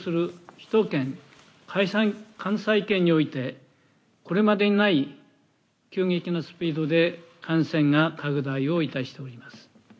首都圏、関西圏においてこれまでにない急激なスピードで感染が拡大致しております。